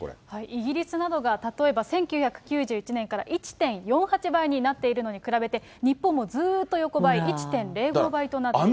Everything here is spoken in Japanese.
イギリスなどが、例えば１９９１年から１．４８倍になっているのに比べて、日本はずーっと横ばい、１．０５倍となっています。